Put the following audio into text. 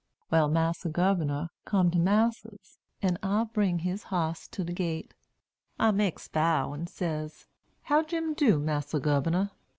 Wal, Massa Gubernor come to massa's, an' I bring he hoss to de gate. I makes bow, and says, 'How Jim do, Massa Gubernor?'